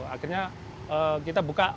akhirnya kita buka